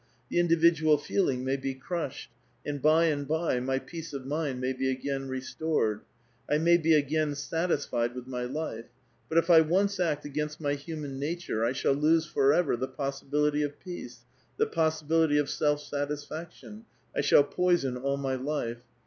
The individual feeling may be crushed ; and by and by my peace of mind may be again restored ; I mav be aa:ain satisfied with mv life. But if I once act against my human nature, 1 shall lose forever the possibility of peace, the possibility of self satisfaction ; I shall poison all my life.